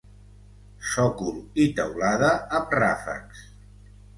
Sòcol i teulada amb ràfecs.